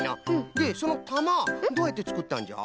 でそのたまどうやってつくったんじゃ？